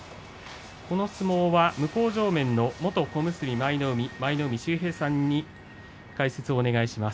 この相撲、向正面の元小結の舞の海秀平さんに解説をお願いします。